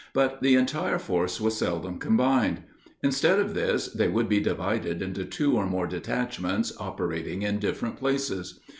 But the entire force was seldom combined. Instead of this, they would be divided into two or more detachments operating in different places.